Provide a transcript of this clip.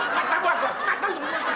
mata gua sok mata gua